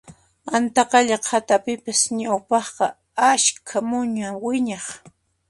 Antaqalla qhatapipas ñawpaqqa askha muña wiñaq